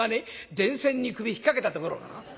電線に首引っ掛けたところ」。